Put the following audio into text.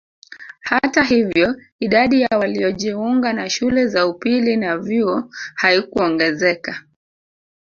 Hata hivyo idadi ya waliojiunga na shule za upili na vyuo haikuongezeka